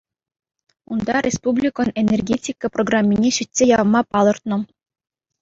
Унта республикӑн энергетика программине сӳтсе явма палӑртнӑ.